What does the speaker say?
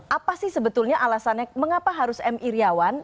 apa sih sebetulnya alasannya mengapa harus m iryawan